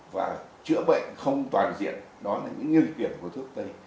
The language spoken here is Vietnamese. và chữa bệnh không toàn diện đó là những nhược điểm của thuốc tây